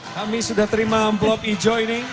kami sudah terima amplop hijau ini